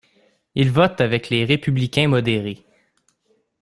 Il vote avec les républicains modérés.